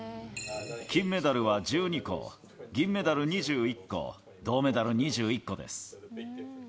金メダルは１２個、銀メダル２１個、銅メダル２１個です。